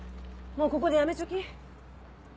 もうここでやめちょき。